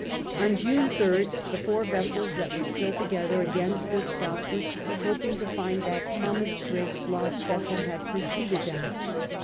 On June 3rd the four vessels that were still together again stood southward, hoping to find that Thomas Drake's lost vessel had preceded them.